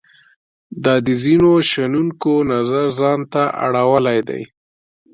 دا د ځینو شنونکو نظر ځان ته اړولای دی.